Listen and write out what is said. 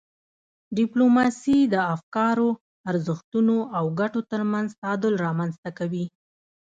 ډیپلوماسي د افکارو، ارزښتونو او ګټو ترمنځ تعادل رامنځته کوي.